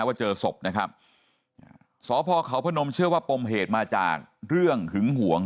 ว่าเจอศพนะครับสพเขาพนมเชื่อว่าปมเหตุมาจากเรื่องหึงหวง